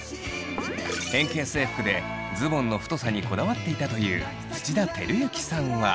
変形制服でズボンの太さにこだわっていたという土田晃之さんは。